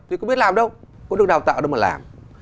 thì cũng biết làm đâu cũng được đào tạo đâu mà làm